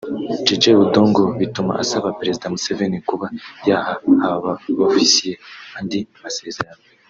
Jeje Odong bituma asaba Perezida Museveni kuba yaha aba bofisiye andi masezerano